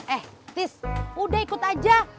eh tis udah ikut aja